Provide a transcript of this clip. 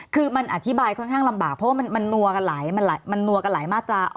คือมันอธิบายค่อนข้างลำบากเพราะว่ามันนัวกันหลายมาตรา